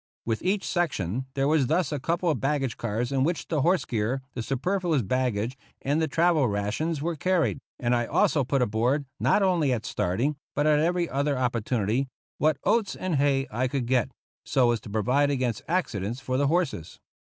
With each section there were thus a couple of baggage cars in which the horse gear, the superfluous bag gage, and the travel rations were carried ; and I also put aboard, not only at starting, but at every other opportunity, what oats and hay I could get, so as to provide against accidents for the horses.